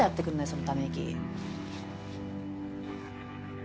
そのため息。